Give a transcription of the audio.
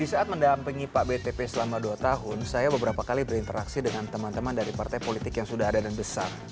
di saat mendampingi pak btp selama dua tahun saya beberapa kali berinteraksi dengan teman teman dari partai politik yang sudah ada dan besar